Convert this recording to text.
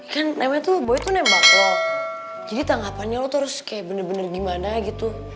kan namanya tuh boy tuh nembak lo jadi tanggapannya lo tuh harus kayak bener bener gimana gitu